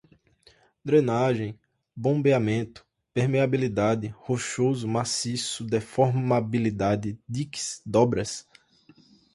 drenagem, bombeamento, permeabilidade, rochoso maciço, deformabilidade, diques, dobras